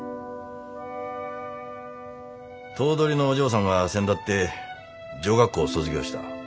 頭取のお嬢さんがせんだって女学校を卒業した。